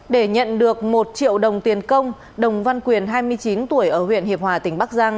để nhận được một triệu đồng tiền công đồng văn quyền hai mươi chín tuổi ở huyện hiệp hòa tỉnh bắc giang